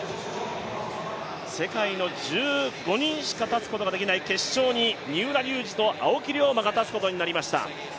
世界の１５人しか立つことができない決勝に三浦龍司と青木涼真が立つことになりました。